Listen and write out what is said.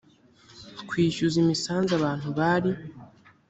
kwishyuza imisanzu abantu bari